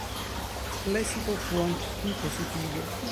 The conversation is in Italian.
L'esito fu anche qui positivo.